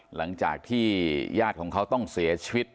หลังจากที่ญาติของเขาต้องเสียชีวิต